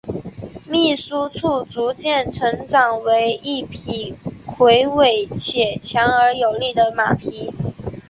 秘书处逐渐成长为一匹魁伟且强而有力的马匹。